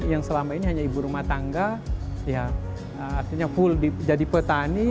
yang selama ini hanya ibu rumah tangga artinya full jadi petani